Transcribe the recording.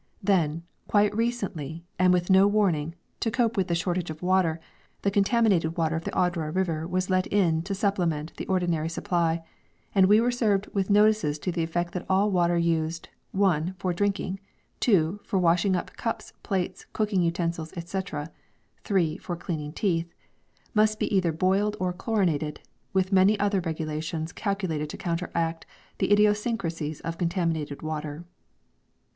Then, quite recently and with no warning, to cope with the shortage of water, the contaminated water of the Odre River was let in to supplement the ordinary supply, and we were served with notices to the effect that all water used (1) for drinking, (2) for washing up cups, plates, cooking utensils, etc., (3) for cleaning teeth, must be either boiled or chlorinated, with many other regulations calculated to counteract the idiosyncrasies of contaminated water.